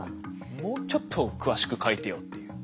もうちょっと詳しく書いてよっていう。